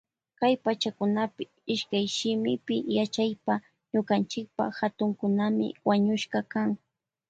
Kay pachakunapi ishkayshimipi yachaypaka ñukanchipa hatukukunami wañushka kan.